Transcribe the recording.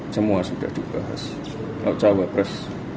semua sudah dibahas